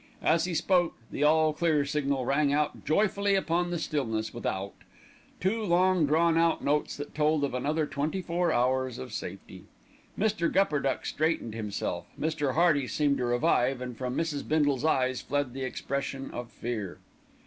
As he spoke, the "All Clear" signal rang out joyfully upon the stillness without, two long drawn out notes that told of another twenty four hours of safety. Mr. Gupperduck straightened himself, Mr. Hearty seemed to revive, and from Mrs. Bindle's eyes fled the expression of fear.